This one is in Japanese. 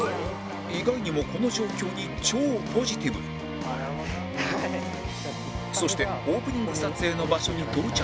意外にもこの状況にそしてオープニング撮影の場所に到着